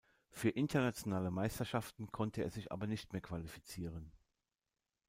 Für internationale Meisterschaften konnte er sich aber nicht mehr qualifizieren.